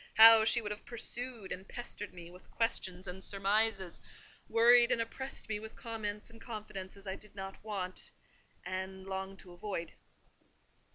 how she would have pursued and pestered me with questions and surmises—worried and oppressed me with comments and confidences I did not want, and longed to avoid.